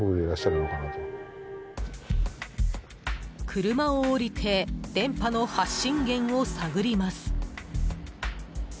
車を降りて電波の発信元を探ります。